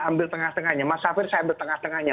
ambil tengah tengahnya mas safir saya ambil tengah tengahnya